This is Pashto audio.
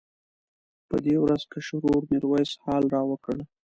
په دې ورځ کشر ورور میرویس حال راوکړ.